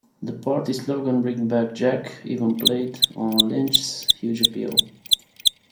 The party slogan "Bring Back Jack" even played on Lynch's huge appeal.